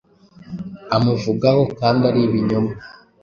amuvugaho kandi ari ibinyoma